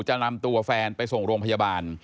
จะนำตัวแฟนไปส่งโรงพยาบาล